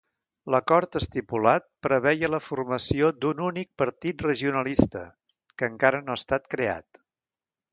L'acord estipulat preveia la formació d'un únic partit regionalista, que encara no ha estat creat.